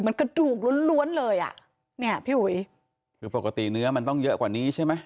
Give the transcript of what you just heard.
มันกระดูกล้วนล้วนเลยอ่ะเนี่ยพี่อุ๋ยคือปกติเนื้อมันต้องเยอะกว่านี้ใช่ไหม